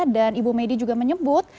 dan ibu medi juga menyebut